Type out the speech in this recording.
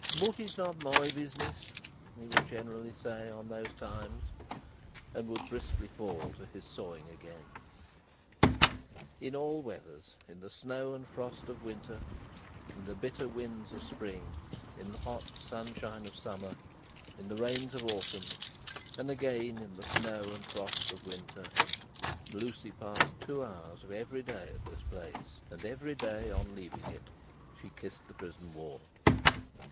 "But it's not my business!" he would generally say at those times, and would briskly fall to his sawing again. In all weathers, in the snow and frost of winter, in the bitter winds of spring, in the hot sunshine of summer, in the rains of autumn, and again in the snow and frost of winter, Lucie passed two hours of every day at this place; and every day on leaving it, she kissed the prison wall.